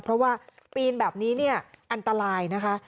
เพราะว่าปีนแบบนี้เนี่ยอันตรายนะคะ